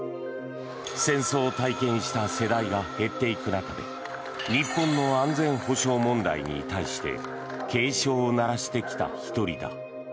戦争を体験した世代が減っていく中で日本の安全保障問題に対して警鐘を鳴らしてきた１人だ。